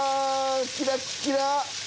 キラキラ！